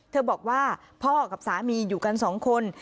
บอกว่าพ่อกับสามีอยู่กันสองคน